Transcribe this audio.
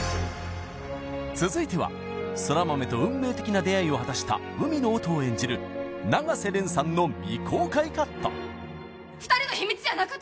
続いては空豆と運命的な出会いを果たした海野音を演じる永瀬廉さんの未公開カット２人の秘密やなかと？